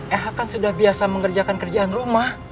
eha kan sudah biasa mengerjakan kerjaan rumah